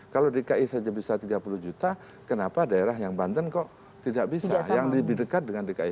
kalau dki saja bisa tiga puluh juta kenapa daerah yang banten kok tidak bisa yang lebih dekat dengan dki jakarta